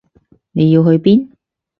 你要去邊？